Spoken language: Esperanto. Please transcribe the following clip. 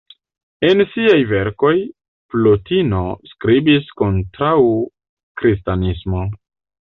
En siaj verkoj, Plotino skribis kontraŭ kristanismo.